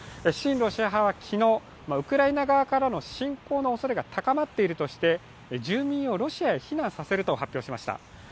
親ロシア派は昨日、ウクライナ側からの侵攻のおそれが高まっているとして住民をロシアへ避難させると発表しました。